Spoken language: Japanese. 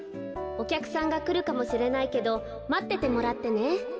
おきゃくさんがくるかもしれないけどまっててもらってね」。